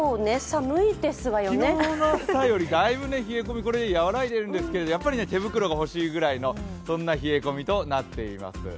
昨日の朝よりだいぶ冷え込み和らいでいるんですけれども、やっぱり手袋が欲しいぐらいの冷え込みとなっています。